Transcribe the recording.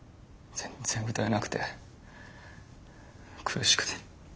全然歌えなくて苦しくて。